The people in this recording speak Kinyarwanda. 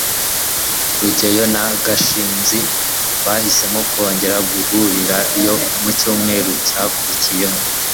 rugeyo na gashinzi bahisemo kongera guhurirayo mu cyumweru cyakurikiyeho